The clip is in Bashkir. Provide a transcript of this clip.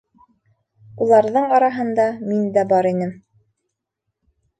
Уларҙың араһында мин дә бар инем.